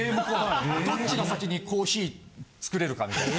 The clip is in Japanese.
どっちが先にコーヒー作れるかみたいな。